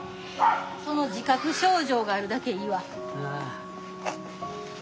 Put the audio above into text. その自覚症状があるだけいいわ。